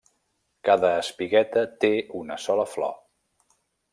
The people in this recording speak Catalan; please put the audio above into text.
Cada espigueta té una sola flor.